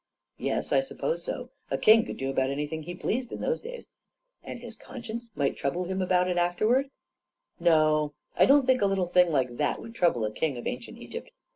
"" Yes, I suppose so. A king could do about any thing he pleased in those days." "And his conscience might trouble him about it afterwards?" 11 No ^ 1 don't think a little thing like that would trouble a king of ancient Egypt.